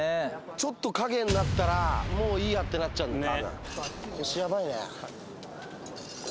ちょっと陰になったらもういいやってなっちゃうのかな？